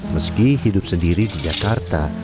meski hidup sendiri di jakarta